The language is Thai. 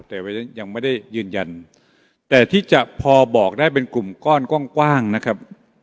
แต่ยังไม่ได้ยืนยันแต่ที่จะพอบอกได้เป็นกลุ่มก้อนกว้างนะครับ